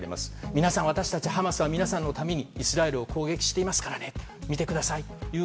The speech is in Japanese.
皆さん、私たちハマスは皆さんのためにイスラエルを攻撃していますからね。